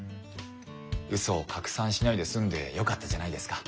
ウソを拡散しないで済んでよかったじゃないですか。